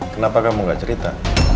kenapa kamu gak cerita